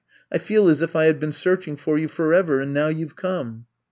I feel as if I had been search ing for you forever and now you *ve come.